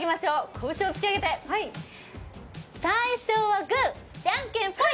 拳を突き上げて最初はグーじゃんけんぽい！